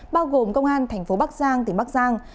bao gồm công an tp bắc giang tỉnh bắc giang